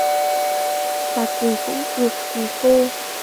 Phạt gì cũng được tùy cô